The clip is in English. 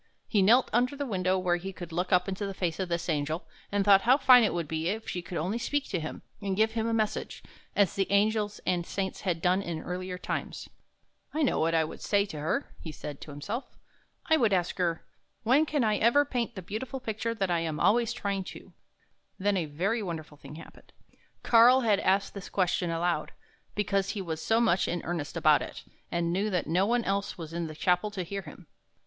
He knelt under the window, where he could look up into the face of this Angel, and thought how fine it would be if she could only speak to him, and give him a message, as the angels and saints had done in earlier times. " I know what I would say to her," he said to 5 1 THE HUNT FOR THE BEAUTIFUL himself. " I would ask her: When can I ever paint the beautiful picture that I am always trying to?" Then a very wonderful thing happened. Karl had asked this question aloud, because he was so much in earnest about it, and knew that no one else was in the chapel to hear him.